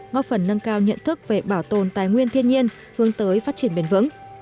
ngóc phần nâng cao nhận thức về bảo tồn tài nguyên thiên nhiên hướng tới phát triển bền vững